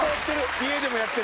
家でもやってる。